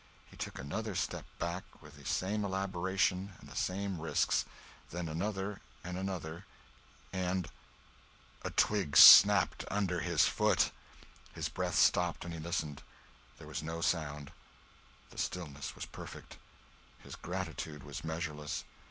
He took another step back, with the same elaboration and the same risks; then another and another, and—a twig snapped under his foot! His breath stopped and he listened. There was no sound—the stillness was perfect. His gratitude was measureless.